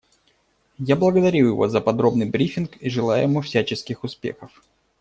Я благодарю его за подробный брифинг и желаю ему всяческих успехов.